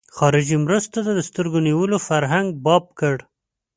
خارجي مرستو ته د سترګو نیولو فرهنګ باب کړ.